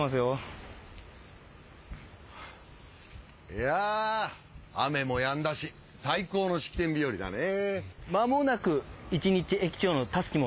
いや雨もやんだし最高の式典日和だね。